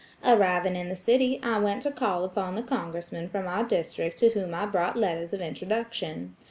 Arriving in the city, I went to call upon the congressman from our district to whom I brought letters of introduction.